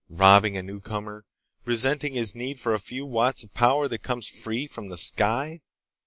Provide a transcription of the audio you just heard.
"Robbing a newcomer. Resenting his need for a few watts of power that comes free from the sky."